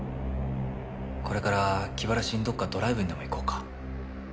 これから気晴らしにどっかドライブにでも行こうか？